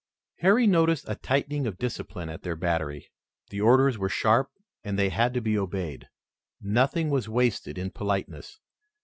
Harry noticed a tightening of discipline at their battery. The orders were sharp and they had to be obeyed. Nothing was wasted in politeness.